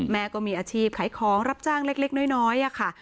ก็มีอาชีพขายของรับจ้างเล็กน้อยค่ะ